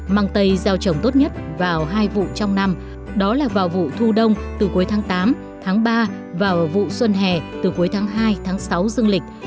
mang tây gieo trồng tốt nhất vào hai vụ trong năm đó là vào vụ thu đông từ cuối tháng tám tháng ba vào vụ xuân hè từ cuối tháng hai tháng sáu dương lịch